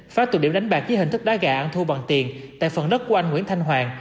phá tụ điểm đánh bạc với hình thức đá gà ăn thu bằng tiền tại phần đất của anh nguyễn thanh hoàng